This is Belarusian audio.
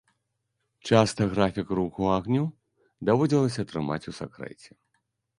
Часта графік руху агню даводзілася трымаць у сакрэце.